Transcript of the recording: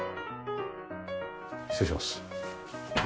失礼します。